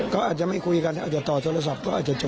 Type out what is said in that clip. ก็อาจจะไม่คุยกันอาจจะต่อโทรศัพท์ก็อาจจะจบ